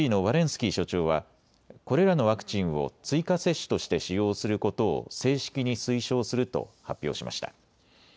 スキー所長はこれらのワクチンを追加接種として使用することを正式に推奨すると発表しました。